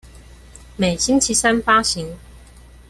每星期三發行